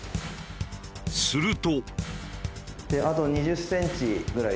すると。